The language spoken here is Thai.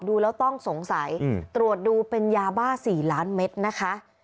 ดูแล้วต้องสงสัยตรวจดูเป็นยาบ้า๔ล้านเม็ดนะคะ